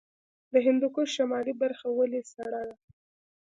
د هندوکش شمالي برخه ولې سړه ده؟